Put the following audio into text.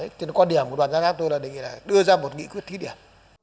đấy trên quan điểm của đoàn giám đốc tôi là đề nghị là đưa ra một nghị quyết thí điển